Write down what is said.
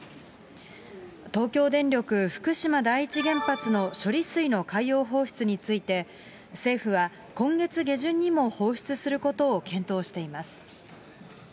東京電力福島第一原発の処理水の海洋放出について、政府は今月下旬にも放出することを検討しています。